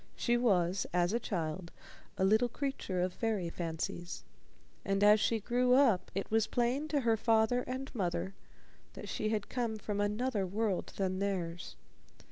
She was, as a child, a little creature of fairy fancies, and as she grew up it was plain to her father and mother that she had come from another world than theirs.